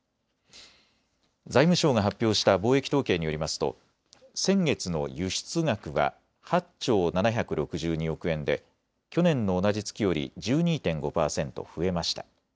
財務省が発表した貿易統計によりますと先月の輸出額は８兆７６２億円で去年の同じ月より１２．５％増えました。